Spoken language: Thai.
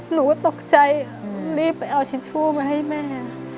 หนูตกใจรีบไปเอาทิชชู่มาให้แม่